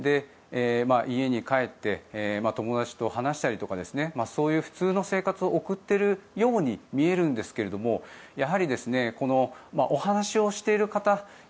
家に帰って友達と話したりとかそういう普通の生活を送っているように見えるんですがやはりお話をしている方